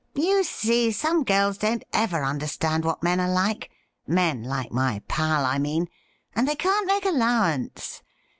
You see, some girls don't ever understand what men are like — men like my pal, I mean — and they can't make allowance.